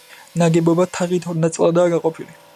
ნაგებობა თაღით ორ ნაწილადაა გაყოფილი.